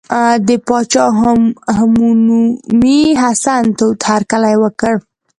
د پاچا همنومي حسن تود هرکلی وکړ.